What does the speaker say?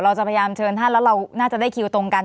เราจะพยายามเชิญท่านแล้วเราน่าจะได้คิวตรงกัน